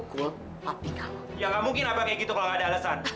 kenal kenal dia